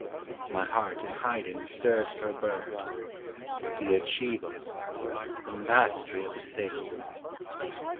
My heart in hiding Stirred for a bird, the achieve of, the mastery of the thing!